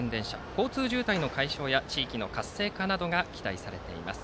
交通渋滞の解消や地域の活性化などが期待されています。